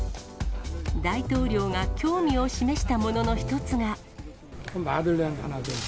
大統領が興味を示したものの一つが。